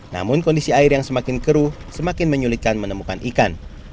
namun kondisi air yang semakin keruh semakin menyulitkan menemukan ikan